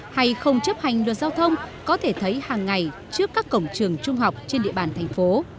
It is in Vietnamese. hay không chấp hành luật giao thông có thể thấy hàng ngày trước các cổng trường trung học trên địa bàn thành phố